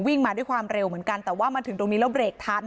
มาด้วยความเร็วเหมือนกันแต่ว่ามาถึงตรงนี้แล้วเบรกทัน